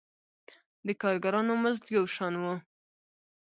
د کارګرانو مزد یو شان و.